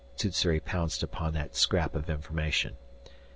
Sssuri pounced upon that scrap of information.